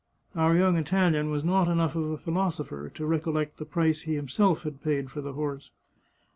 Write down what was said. Our young Italian was not enough of a philosopher to recollect the price he himself had paid for the horse.